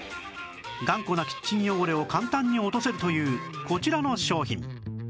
頑固なキッチン汚れを簡単に落とせるというこちらの商品